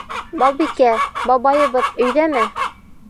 Балбикә, бабайыбыҙ өйҙәме?